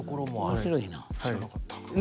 知らなかった。ね。